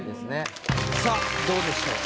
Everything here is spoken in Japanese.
さあどうでしょうか？